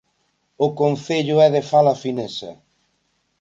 O concello é de fala finesa.